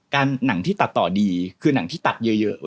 หนังที่ตัดต่อดีคือหนังที่ตัดเยอะ